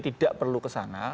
tidak perlu kesana